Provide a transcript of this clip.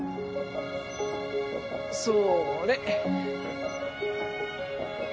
それ。